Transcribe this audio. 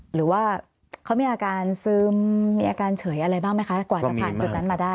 หรือว่าเขามีอาการซึมมีอาการเฉยอะไรบ้างไหมคะกว่าจะผ่านจุดนั้นมาได้